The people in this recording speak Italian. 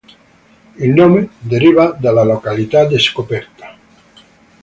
Il nome deriva dalla località di scoperta.